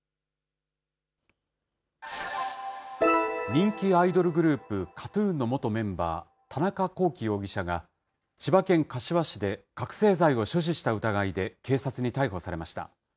人気アイドルグループ、ＫＡＴ−ＴＵＮの元メンバー、田中聖容疑者が千葉県柏市で覚醒剤を所持した疑いで警察に逮捕されました。